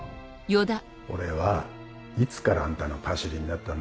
俺はいつからあんたのパシリになったんだ？